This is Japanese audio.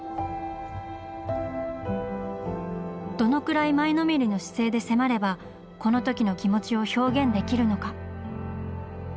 どのくらい前のめりの姿勢で迫ればこの時の気持ちを表現できるのか？